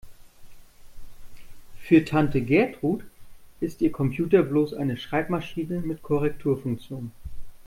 Für Tante Gertrud ist ihr Computer bloß eine Schreibmaschine mit Korrekturfunktion.